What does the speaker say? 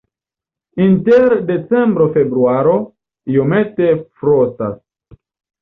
Inter decembro-februaro iomete frostas.